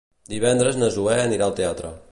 Divendres na Zoè anirà al teatre.